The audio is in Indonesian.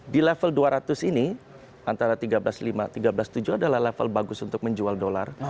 di level dua ratus ini antara tiga belas lima tiga belas tujuh adalah level bagus untuk menjual dolar